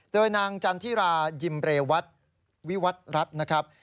โดยนางจันทิรายิมเรวัตวิวัตรรัฐนะครับ